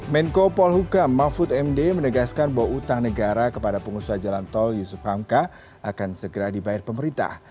menko polhukam mahfud md menegaskan bahwa utang negara kepada pengusaha jalan tol yusuf hamka akan segera dibayar pemerintah